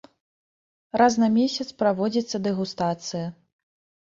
Раз на месяц праводзіцца дэгустацыя.